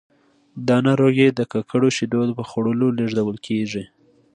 دا ناروغي د ککړو شیدو په خوړلو لیږدول کېږي.